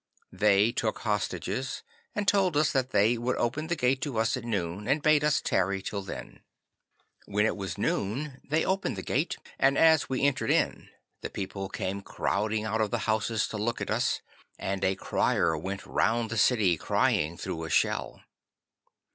They took hostages, and told us that they would open the gate to us at noon, and bade us tarry till then. 'When it was noon they opened the gate, and as we entered in the people came crowding out of the houses to look at us, and a crier went round the city crying through a shell.